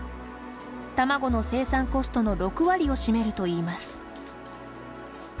卵の生産コストの６割を占めるといいます。